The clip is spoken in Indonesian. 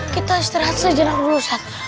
kita istirahat sejenak dulu ustadz